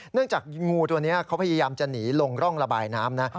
จากงูตัวนี้เขาพยายามจะหนีลงร่องระบายน้ำนะ